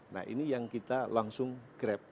nah ini yang kita langsung grab